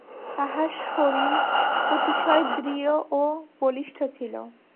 তাহার শরীর অতিশয় দৃঢ় ও বলিষ্ঠ ছিল।